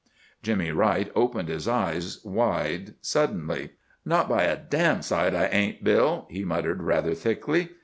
Jimmy Wright opened his eyes wide suddenly. "Not by a d——d sight I ain't, Bill!" he muttered rather thickly.